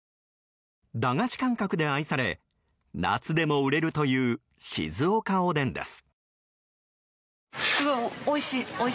駄菓子感覚で愛され夏でも売れるという静岡おでんです。